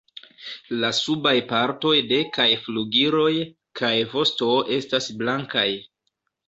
La subaj partoj de kaj flugiloj kaj vosto estas blankaj.